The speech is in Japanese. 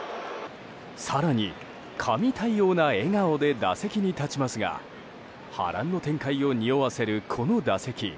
更に、神対応な笑顔で打席に立ちますが波乱の展開をにおわせるこの打席。